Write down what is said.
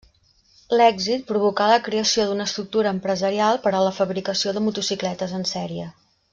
L'èxit provocà la creació d'una estructura empresarial per a la fabricació de motocicletes en sèrie.